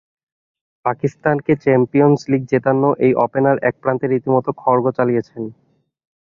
পাকিস্তানকে champions league জেতানো এই ওপেনার এক প্রান্তে রীতিমতো খড়্গ চালিয়েছেন।